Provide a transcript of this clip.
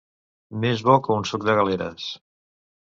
Més bo que un suc de galeres.